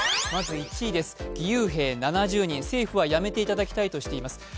まず１位、義勇兵７０人、政府はやめていただきたいとしています。